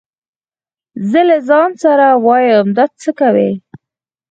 زه له ځان سره وايم دا څه کوي.